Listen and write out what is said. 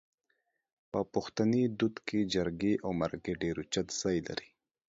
په پښتني دود کې جرګې او مرکې ډېر اوچت ځای لري